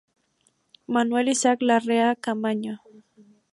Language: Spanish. Manuel Isaac Larrea Caamaño.